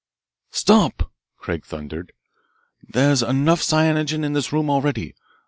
"Stop!" Craig thundered. "There's enough cyanogen in this room already.